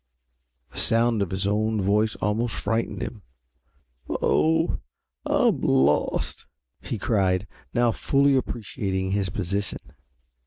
The sound of his own voice almost frightened him. "Oh, I'm lost!" he cried, now fully appreciating his position.